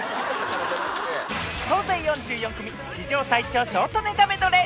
総勢４４組、史上最長ショートネタメドレー。